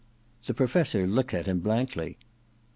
* The Professor looked at him blankly.